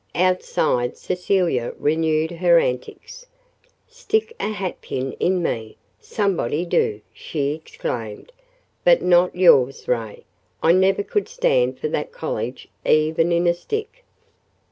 Outside Cecilia renewed her antics. "Stick a hatpin in me somebody do!" she exclaimed. "But not yours, Ray. I never could stand for that college, even in a stick."